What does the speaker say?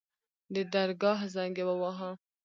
د درګاه زنګ يې وواهه.